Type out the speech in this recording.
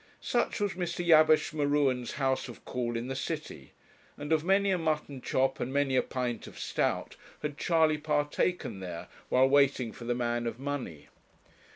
Such was Mr. Jabesh M'Ruen's house of call in the city, and of many a mutton chop and many a pint of stout had Charley partaken there while waiting for the man of money.